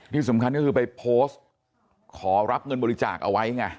ที่สำคัญก็คือไปโพสต์ขอรับเงินบริจาคเอาไว้ไง